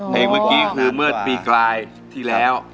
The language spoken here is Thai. เพลงเมื่อกี้เมื่อปีกลายที่แล้ว